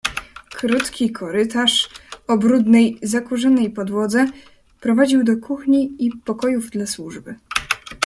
"Krótki korytarz, o brudnej, zakurzonej podłodze, prowadził do kuchni i pokojów dla służby."